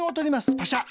パシャ。